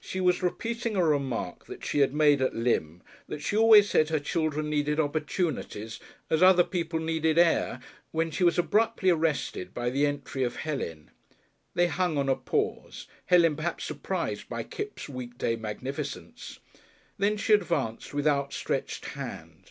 She was repeating a remark that she had made at Lympne, that she always said her children needed opportunities, as other people needed air, when she was abruptly arrested by the entry of Helen. They hung on a pause, Helen perhaps surprised by Kipps' weekday magnificence. Then she advanced with outstretched hand.